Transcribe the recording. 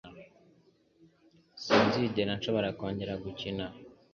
Sinzigera nshobora kongera gukina.